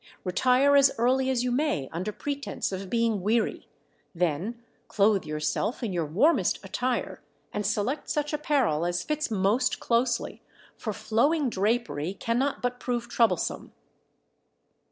Retire as early as you may under pretence of being weary, then clothe yourself in your warmest attire and select such apparel as fits most closely, for flowing drapery can not but prove troublesome.